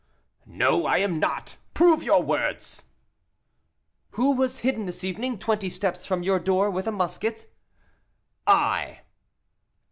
"No, I am not; prove your words." "Who was hidden this evening, twenty steps from your door, with a musket?" "I."